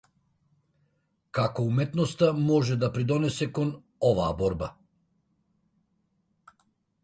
Како уметноста може да придонесе кон оваа борба?